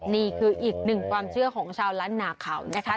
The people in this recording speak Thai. นี่คืออีกหนึ่งความเชื่อของชาวล้านนาเขานะคะ